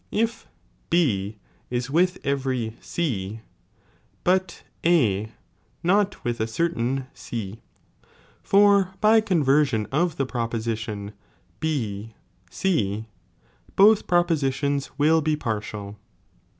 if B is with every C, but A not with a certain C, for by conversion of the proposition B C, both propositions will be partial.